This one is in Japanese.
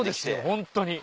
ホントに。